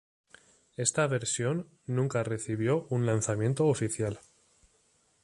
Esta versión nunca recibió un lanzamiento oficial.